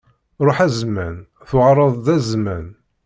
Ṛuḥ a zzman, tuɣaleḍ-d a zzman!